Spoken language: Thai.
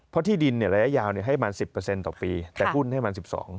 เพราะที่ดินระยะยาวให้ประมาณ๑๐ต่อปีแต่หุ้นให้มัน๑๒